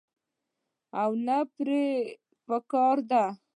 او نۀ پرې پکار ده -